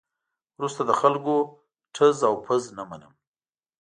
وروسته د خلکو ټز او پز نه منم.